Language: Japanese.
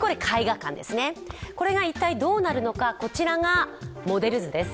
これが一体どうなるのかこちらがモデル図です。